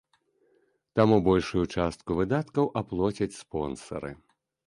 Таму большую частку выдаткаў аплоцяць спонсары.